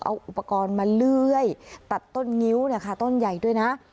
เอาอุปกรณ์มาเลื่อยตัดต้นงิ้วเนี่ยค่ะต้นใหญ่ด้วยนะ